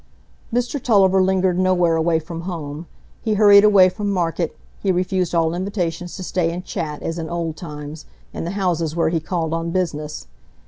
Mr Tulliver lingered nowhere away from home; he hurried away from market, he refused all invitations to stay and chat, as in old times, in the houses where he called on business.